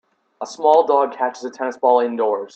A small dog catches a tennis ball indoors.